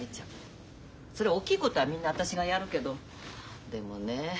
そりゃおっきいことはみんな私がやるけどでもね